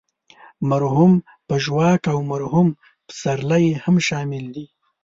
مرحوم پژواک او مرحوم پسرلی هم شامل دي.